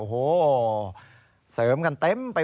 ขอบคุณครับ